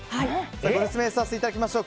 ご説明させていただきましょう。